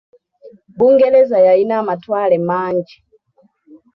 Bungereza yalina amatwale mangi.